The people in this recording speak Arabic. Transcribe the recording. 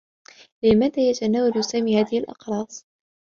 لماذا يتناول سامي هذه الأقراص؟